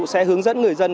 sẽ hướng dẫn người dân